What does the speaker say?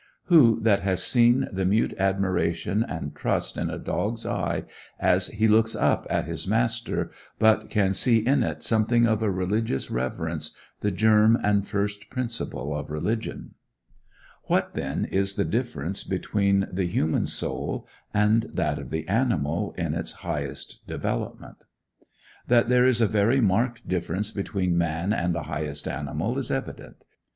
Who that has seen the mute admiration and trust in a dog's eye, as he looks up at his master, but can see in it something of a religious reverence, the germ and first principle of religion? What, then, is the difference between the human soul and that of the animal in its highest development? That there is a very marked difference between man and the highest animal is evident.